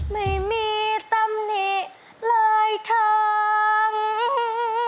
ไม่มีตำหนิเลยทั้ง